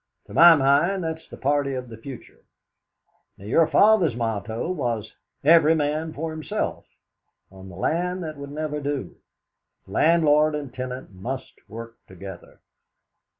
To my mind, that's the party of the future. Now, your father's motto was: 'Every man for himself!' On the land that would never do. Landlord and tenant must work together.